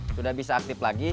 sudah bisa aktif lagi